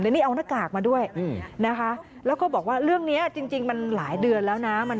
นี่เอาหน้ากากมาด้วยนะคะแล้วก็บอกว่าเรื่องนี้จริงมันหลายเดือนแล้วนะ